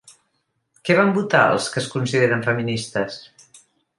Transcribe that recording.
Què van votar els que es consideren feministes?